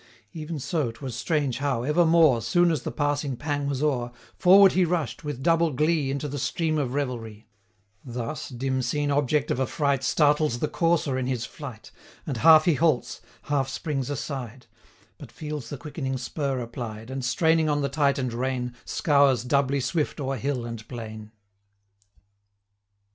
Even so 'twas strange how, evermore, 250 Soon as the passing pang was o'er, Forward he rush'd, with double glee, Into the stream of revelry: Thus, dim seen object of affright Startles the courser in his flight, 255 And half he halts, half springs aside; But feels the quickening spur applied, And, straining on the tighten'd rein, Scours doubly swift o'er hill and plain.